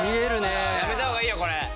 やめた方がいいよこれ！